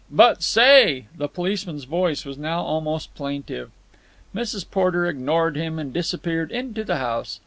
"But, say——" The policeman's voice was now almost plaintive. Mrs. Porter ignored him and disappeared into the house.